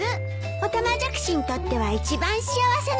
オタマジャクシにとっては一番幸せな場所なんだもの。